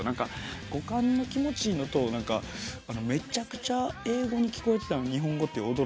語感の気持ちいいのとめちゃくちゃ英語に聞こえてたのに日本語って驚き。